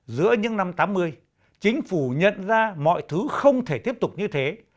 giữa những năm tám mươi chính phủ nhận ra mọi thứ không thể tiếp tục như thế